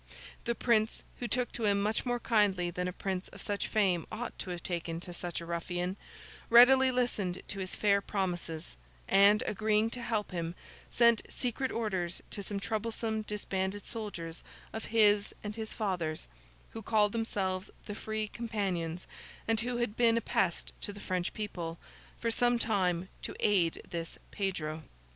The Prince, who took to him much more kindly than a prince of such fame ought to have taken to such a ruffian, readily listened to his fair promises, and agreeing to help him, sent secret orders to some troublesome disbanded soldiers of his and his father's, who called themselves the Free Companions, and who had been a pest to the French people, for some time, to aid this Pedro.